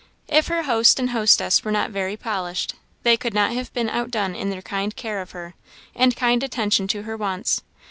If her host and hostess were not very polished, they could not have been outdone in their kind care of her, and kind attention to her wants.